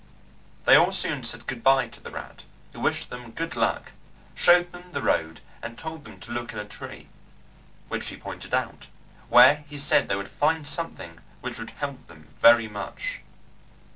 They all soon said good bye to the rat, who wished them good luck, showed them the road and told them to look in a tree which he pointed out where he said they would find something which would help them very much.